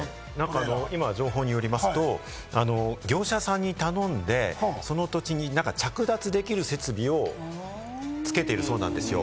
情報によりますと、業者さんに頼んでその土地に着脱できる設備をつけてるそうなんですよ。